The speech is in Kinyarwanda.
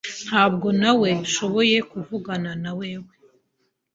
Ntabwo naweshoboye kuvuganawe nawewe .